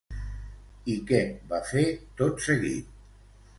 I què va fer, tot seguit?